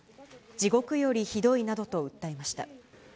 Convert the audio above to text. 地獄よりひどいなどと訴えました。